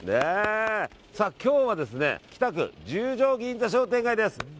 今日は北区十条銀座商店街です。